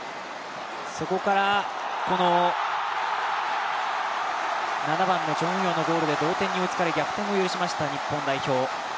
そこから７番のチョン・ウヨンのゴールで逆転を許しました、日本代表。